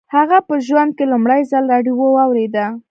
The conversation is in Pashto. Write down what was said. هغه په ژوند کې لومړي ځل راډيو واورېده.